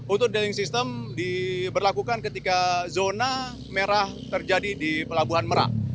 untuk deling system diberlakukan ketika zona merah terjadi di pelabuhan merak